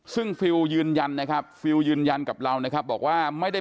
ซึ่งฟิลยืนยันนะครับฟิลยืนยันกับเรานะครับบอกว่าไม่ได้